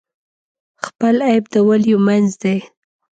خپل عیب د ولیو منځ دی.